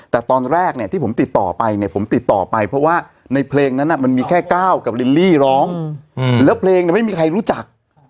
แต่ตอนแรกเนี่ยที่ผมติดต่อไปเนี่ยผมติดต่อไปเพราะว่าในเพลงนั้นมันมีแค่ก้าวกับลิลลี่ร้องแล้วเพลงเนี่ยไม่มีใครรู้จัก